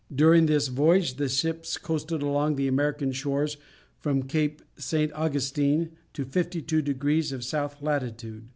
During this voyage the ships coasted along the American shores from Cape St. Augustine to 52 degrees of south latitude.